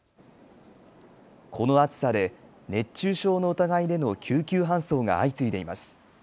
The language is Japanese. この暑さで熱中症の疑いでの救急搬送が相次いでいます。